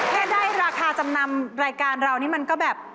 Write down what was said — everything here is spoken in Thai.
แค่ได้ราคาจำนำรายการเรานี่มันก็แบบ